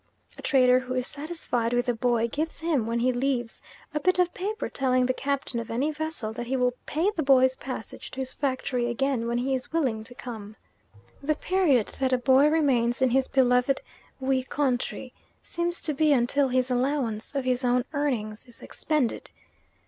A trader who is satisfied with a boy gives him, when he leaves, a bit of paper telling the captain of any vessel that he will pay the boy's passage to his factory again, when he is willing to come. The period that a boy remains in his beloved "We country" seems to be until his allowance of his own earnings is expended.